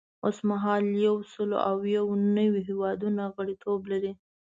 اوس مهال یو سل او یو نوي هیوادونه غړیتوب لري.